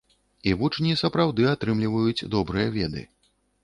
І вучні сапраўды атрымліваюць добрыя веды.